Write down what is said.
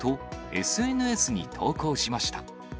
と、ＳＮＳに投稿しました。